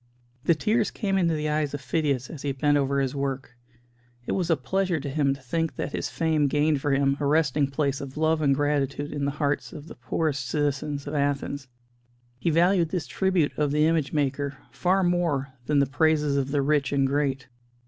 The tears came into the eyes of Phidias as he bent over his work; it was a pleasure to him to think that his fame gained for him a resting place of love and gratitude in the hearts of the poorest citizens of Athens. He valued this tribute of the image maker far more than the praises of the rich and great.